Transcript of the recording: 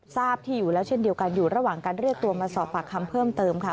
ทราบที่อยู่แล้วเช่นเดียวกันอยู่ระหว่างการเรียกตัวมาสอบปากคำเพิ่มเติมค่ะ